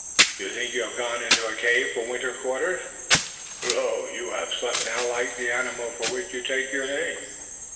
"Do you think you have gone into a cave for winter quarters? Lo, you have slept now, like the animal for which you take your name!